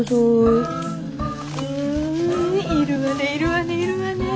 うふふいるわねいるわねいるわねぇ。